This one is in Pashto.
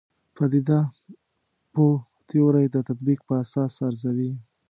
پدیده پوه تیورۍ د تطبیق په اساس ارزوي.